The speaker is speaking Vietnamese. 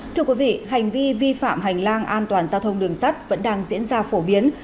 thưa quý vị hành vi vi phạm hành lang an toàn giao thông đường sắt vẫn đang diễn ra phổ biến